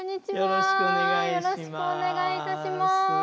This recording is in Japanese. よろしくお願いします。